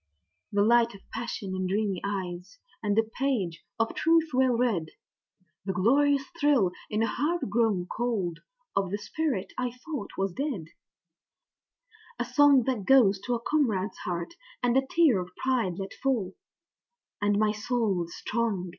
The light of passion in dreamy eyes, and a page of truth well read, The glorious thrill in a heart grown cold of the spirit I thought was dead, A song that goes to a comrade's heart, and a tear of pride let fall And my soul is strong!